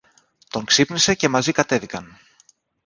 Τον ξύπνησε και μαζί κατέβηκαν.